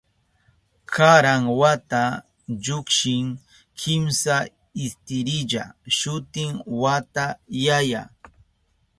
Karan wata llukshin kimsa istirilla, shutin wata yaya.